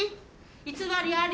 偽りあり！